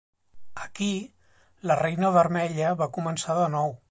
Aquí, la reina vermella va començar de nou.